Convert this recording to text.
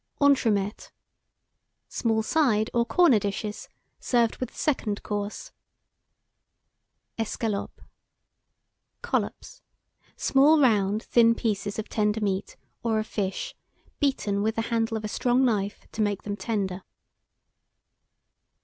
ENTREMETS. Small side or corner dishes, served with the second course. ESCALOPES. Collops; small, round, thin pieces of tender meat, or of fish, beaten with the handle of a strong knife to make them tender.